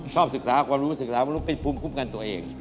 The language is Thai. ชอบศึกษาความรู้ศึกษาความรู้ภูมิกุ้มกันตัวเอง